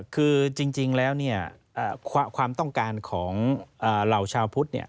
คือจริงแล้วเนี่ยความต้องการของเหล่าชาวพุทธ